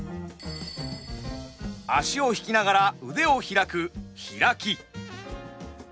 足を引きながら腕を開くヒラキ。